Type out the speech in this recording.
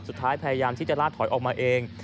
สุดท้ายพยายามที่จะลาดถอยออกมาเอง